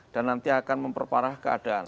dan nanti akan memperparah keadaan